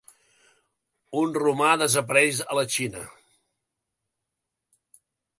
Un romà desapareix a la Xina.